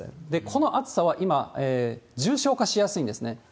この暑さは今、重症化しやすいんですね。